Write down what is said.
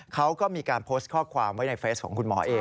เขาก็มีการโพสต์ข้อความไว้ในเฟสของคุณหมอเอง